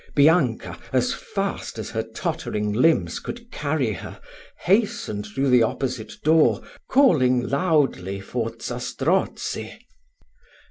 Bianca, as fast as her tottering limbs could carry her, hastened through the opposite door, calling loudly for Zastrozzi.